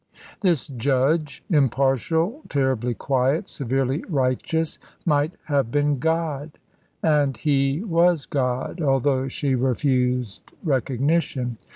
This Judge, impartial, terribly quiet, severely righteous, might have been God; and He was God, although she refused recognition.